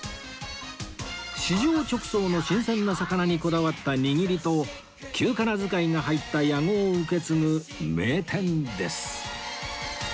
市場直送の新鮮な魚にこだわった握りと旧仮名遣いが入った屋号を受け継ぐ名店です